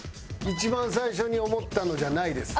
一番最初に思ったのじゃないです。